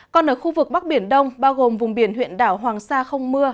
còn ở khu vực bắc biển đông bao gồm vùng biển huyện đảo hoàng sa không mưa